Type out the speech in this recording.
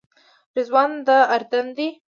رضوان د اردن دی.